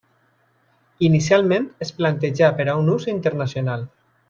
Inicialment es plantejà per un ús internacional.